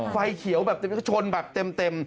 ไฟเขียวแบบชนแบบเต็ม